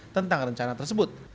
tentang rencana tersebut